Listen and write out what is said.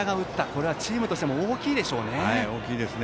これはチームとしても大きいでしょうね。